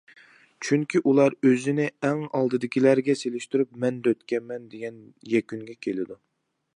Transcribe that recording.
چۈنكى ئۇلار ئۆزىنى ئەڭ ئالدىدىكىلەرگە سېلىشتۇرۇپ مەن دۆتكەنمەن دېگەن يەكۈنگە كېلىدۇ.